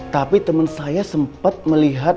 tapi teman saya sempat melihat